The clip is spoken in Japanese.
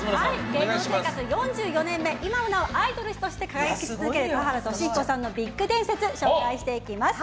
芸能生活４４年目、今なおアイドルとして輝き続ける田原俊彦さんのビッグ伝説紹介していきます。